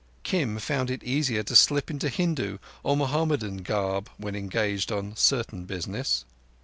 Kim found it easier to slip into Hindu or Mohammedan garb when engaged on certain businesses.